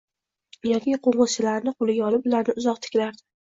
Yoki qoʻngʻizchalarni qoʻliga olib ularga uzoq tikilardi.